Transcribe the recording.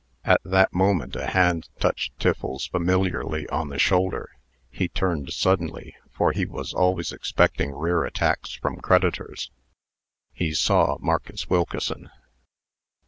At that moment a hand touched Tiffles familiarly on the shoulder. He turned suddenly, for he was always expecting rear attacks from creditors. He saw Marcus Wilkeson.